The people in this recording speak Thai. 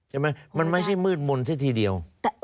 ใช่ไหมมันไม่ใช่มืดมนต์ซะทีเดียว